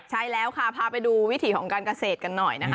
ใช่แล้วค่ะพาไปดูวิถีของการเกษตรกันหน่อยนะคะ